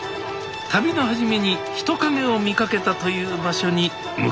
旅の初めに人影を見かけたという場所に向かいます